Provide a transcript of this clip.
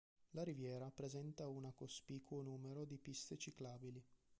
La Riviera presenta una cospicuo numero di piste ciclabili.